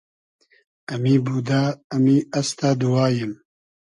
امی بودۂ ، امی استۂ دوواییم